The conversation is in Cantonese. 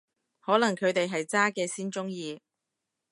可能佢哋係渣嘅先鍾意